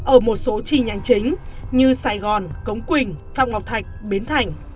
ở một số chi nhánh chính như sài gòn cống quỳnh phạm ngọc thạch bến thành